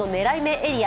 エリア